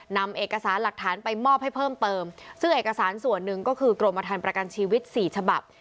นำเอกสารหลักฐานไปมอบให้เพิ่มเติมซึ่งเอกสารส่วนหนึ่งก็คือกรมฐานประกันชีวิตสี่ฉบับ